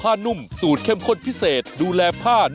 อันนี้มันเพราะว่า